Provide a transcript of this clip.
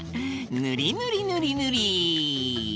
ぬりぬりぬりぬり！